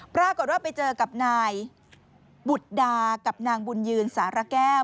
ปรากฏว่าไปเจอกับนายบุตรดากับนางบุญยืนสารแก้ว